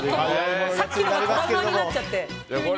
さっきのがトラウマになっちゃって。